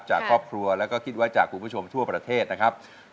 จากครอบครัวแล้วก็คิดไว้จากคุณผู้ชมทั่วประเทศนะครับ